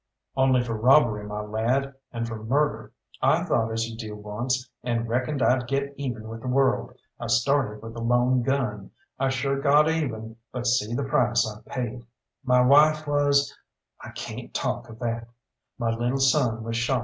"Only for robbery, my lad, and for murder. I thought as you do once, and reckoned I'd get even with the world. I started with a lone gun, I sure got even, but see the price I paid. My wife was I cayn't talk of that. My lil' son was shot.